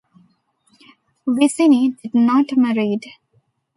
Vicini did not married.